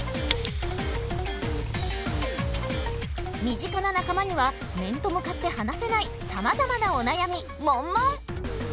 身近な仲間には面と向かって話せないさまざまなお悩みモンモン！